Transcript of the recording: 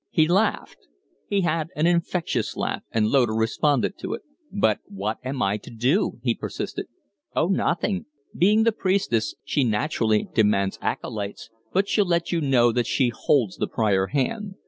He laughed. He had an infectious laugh, and Loder responded to it. "But what am I to do?" he persisted. "Oh, nothing. Being the priestess, she, naturally demands acolytes; but she'll let you know that she holds the prior place.